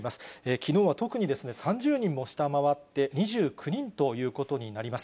きのうは特に３０人も下回って、２９人ということになります。